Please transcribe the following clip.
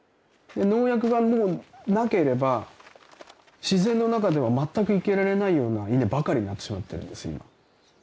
で農薬がもうなければ自然の中では全く生きられないような稲ばかりになってしまってるんです今。